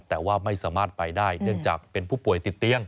แต่ว่าไม่สามารถไปได้เนื่องจากเป็นผู้ป่วยติดเตียง